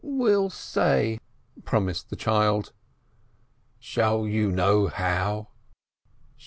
"Will say !" promised the child. "Shall you know how?"